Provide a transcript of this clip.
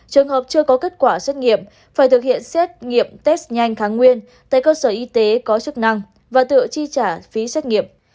trường hợp chưa có kết quả xét nghiệm phải thực hiện xét nghiệm test nhanh kháng nguyên tại cơ sở y tế có chức năng và tự chi trả phí xét nghiệm